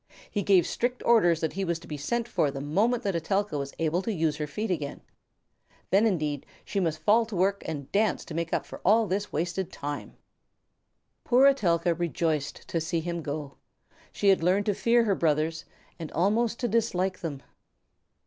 He gave strict orders that he was to be sent for the moment that Etelka was able to use her feet again. Then, indeed, she must fall to work and dance to make up for all this wasted time. Poor Etelka rejoiced to see him go. She had learned to fear her brothers and almost to dislike them.